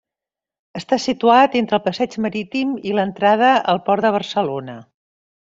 Està situat entre el Passeig Marítim i l'entrada al Port de Barcelona.